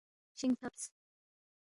شِنگ فبس